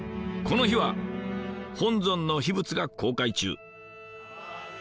この日は本尊の秘仏が公開中。